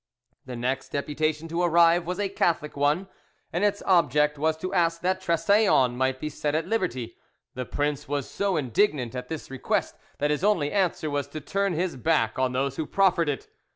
The next deputation to arrive was a Catholic one, and its object was to ask that Trestaillons might be set at liberty. The prince was so indignant at this request that his only answer was to turn his back on those who proffered it.